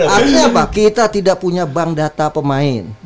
artinya apa kita tidak punya bank data pemain